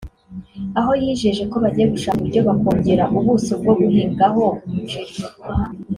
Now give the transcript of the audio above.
aho yijeje ko bagiye gushaka uburyo bakongera ubuso bwo guhingaho umuceri